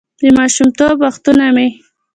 «د ماشومتوب وختونه مې: